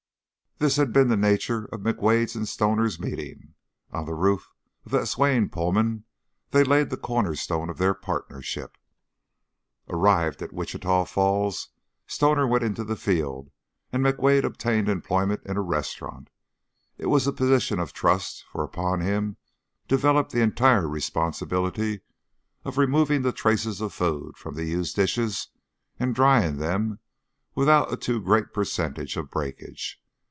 This had been the nature of McWade's and Stoner's meeting; on the roof of that swaying Pullman they laid the corner stone of their partnership. Arrived at Wichita Falls, Stoner went into the field and McWade obtained employment in a restaurant. It was a position of trust, for upon him developed the entire responsibility of removing the traces of food from the used dishes, and drying them without a too great percentage of breakage.